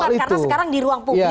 karena sekarang di ruang publik